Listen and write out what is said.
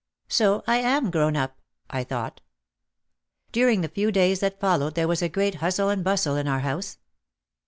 "So I am grown up," I thought. During the few days that followed there was a great hustle and bustle in our house.